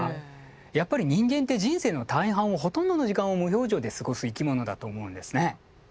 やっぱり人間って人生の大半をほとんどの時間を無表情で過ごす生き物だと思うんですね。